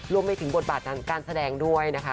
รวมไปถึงบทบาทการแสดงด้วยนะคะ